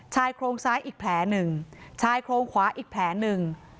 ชายโครงซ้ายอีกแผลหนึ่งชายโครงขวาอีกแผลหนึ่ง